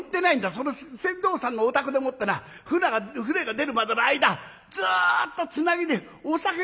その船頭さんのお宅でもってな舟が出るまでの間ずっとつなぎでお酒飲んで待ってたんだ。